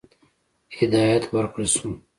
هدایت ورکړه شو.